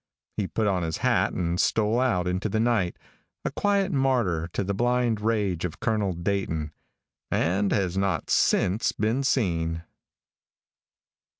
He put on his hat and stole out into the night, a quiet martyr to the blind rage of Colonel Dayton, and has not since been seen.